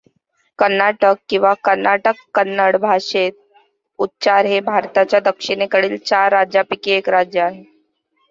कर्नाटक, किंवा कर्णाटक कन्नड भाषेत उच्चार हे भारताच्या दक्षिणेकडील चार राज्यांपैकी एक राज्य आहे.